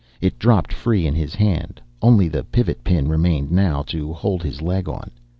It dropped free in his hand, only the pivot pin remained now to hold his leg on.